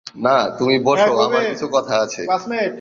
না তুমি বসো আমার কিছু কথা আছে।